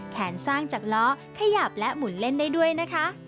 สร้างจากล้อขยับและหมุนเล่นได้ด้วยนะคะ